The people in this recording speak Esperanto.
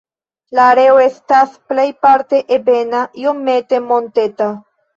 La areo estas plejparte ebena, iomete monteta.